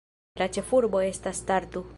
La ĉefurbo estas Tartu.